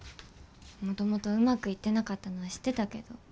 もともとうまくいってなかったのは知ってたけど。